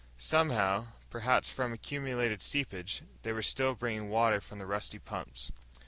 Somehow, perhaps from accumulated seepage, they were still bringing water from the rusty pumps.